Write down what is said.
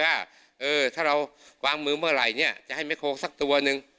เออถ้าเราวางเมื่อไรเนี่ยจะให้ไหมโครกสักตัวนึง